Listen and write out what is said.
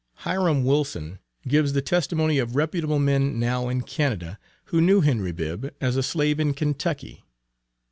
Hiram Wilson gives the testimony of reputable men now in Canada, who knew Henry Bibb as a slave in Kentucky.